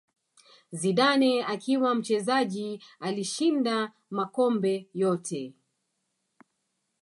Zidane akiwa mchezaji alishinda makombe yote